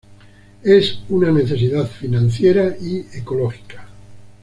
Es una necesidad financiera y ecológica".